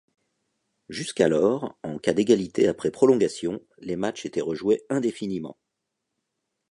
Jusqu'alors, en cas d'égalité après prolongations, les matchs étaient rejoués indéfiniment.